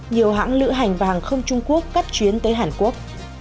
nhiều hãng lữ hành và hàng không trung quốc cắt chuyến tới hàn quốc